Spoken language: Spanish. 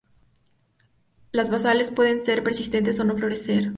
Las basales pueden ser persistentes o no florecer.